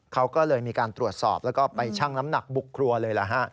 เขาก็เลยมีการตรวจสอบแล้วก็ไปชั่งน้ำหนักบุกครัวเลยล่ะฮะ